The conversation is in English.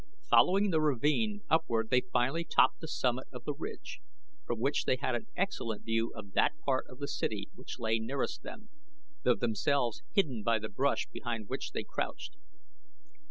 Following the ravine upward they finally topped the summit of the ridge, from which they had an excellent view of that part of the city which lay nearest them, though themselves hidden by the brush behind which they crouched.